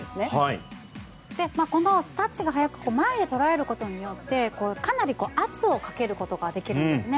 このタッチが早く前で捉えることによってかなり圧をかけることができるんですね。